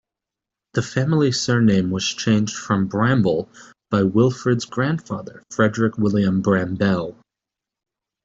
The family surname was changed from "Bramble" by Wilfrid's grandfather Frederick William Brambell.